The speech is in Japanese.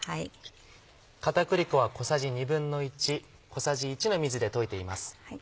片栗粉は小さじ１／２小さじ１の水で溶いています。